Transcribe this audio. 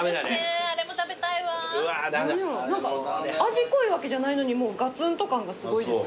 味濃いわけじゃないのにガツンと感がすごいです。